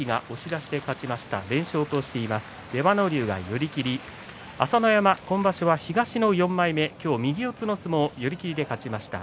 出羽ノ龍、寄り切り朝乃山は今場所は、東の４枚目今日は右四つの相撲寄り切りで勝ちました。